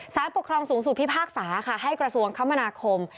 ปกครองสูงสุดพิพากษาค่ะให้กระทรวงคมนาคม